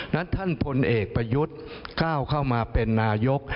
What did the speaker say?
และท่านพลเอกประยุทธ์ก้าวเข้ามาเป็นนายก